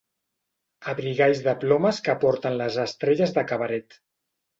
Abrigalls de plomes que porten les estrelles de cabaret.